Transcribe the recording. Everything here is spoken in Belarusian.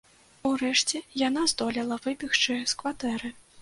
Урэшце яна здолела выбегчы з кватэры.